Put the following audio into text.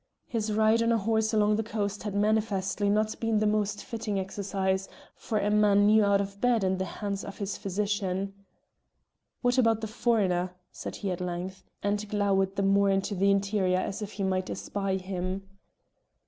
His ride on a horse along the coast had manifestly not been the most fitting exercise for a man new out of bed and the hands of his physician. "What about the foreigner?" said he at length, and glowered the more into the interior as if he might espy him.